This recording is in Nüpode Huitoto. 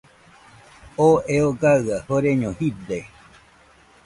Oo eo gaɨa joreño jide.